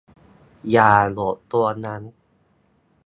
อย่าโหลดตัวนั้น